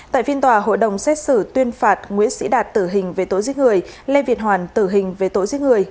tại phiên tòa hội đồng xét xử tuyên phạt nguyễn sĩ đạt tử hình về tội giết người lê việt hoàn tử hình về tội giết người